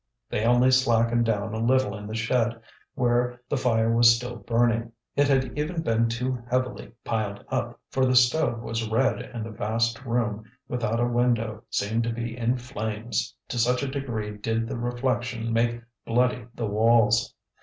They only slackened down a little in the shed where the fire was still burning. It had even been too heavily piled up, for the stove was red and the vast room, without a window, seemed to be in flames, to such a degree did the reflection make bloody the walls.